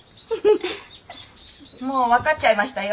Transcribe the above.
もう分かっちゃいましたよ。